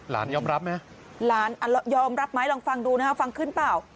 ยอมรับไหมหลานยอมรับไหมลองฟังดูนะฮะฟังขึ้นเปล่า